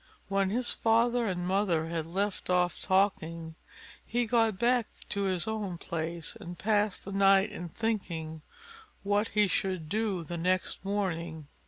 When his father and mother had left off talking, he got back to his own place, and passed the night in thinking what he should do the next morning.